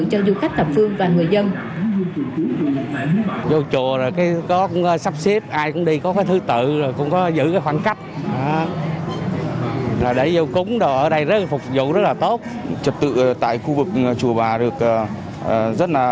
cho du khách thập phương và người dân